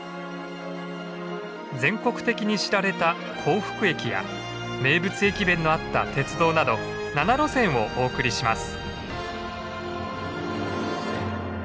全国的に知られた幸福駅や名物駅弁のあった鉄道など７路線をお送りします。